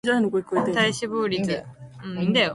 体脂肪率